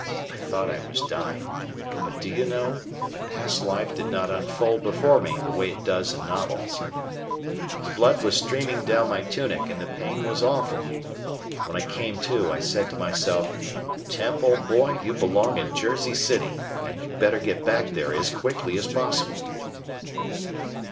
I thought I was dying, but do you know, my past life did not unfold before me the way it does in novels. The blood was streaming down my tunic, and the pain was awful. When I came to I said to myself, "Emp, old boy, you belong in Jersey City and you'd better get back there as quickly as possible."